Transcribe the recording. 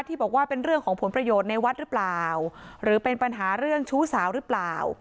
บอกว่าเป็นเรื่องของผลประโยชน์ในวัดหรือเปล่าหรือเป็นปัญหาเรื่องชู้สาวหรือเปล่า